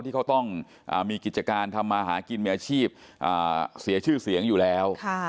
ที่เขาต้องมีกิจการทำมาหากินมีอาชีพเสียชื่อเสียงอยู่แล้ว